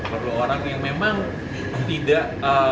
perlu orang yang memang tidak